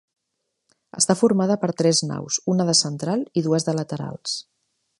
Està formada per tres naus, una de central i dues de laterals.